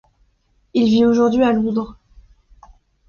Il vit aujourd'hui à Londres.